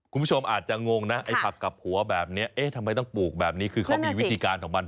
คุณผู้ชมอาจจะงงนะไอ้ผักกับผัวแบบนี้เอ๊ะทำไมต้องปลูกแบบนี้คือเขามีวิธีการของมัน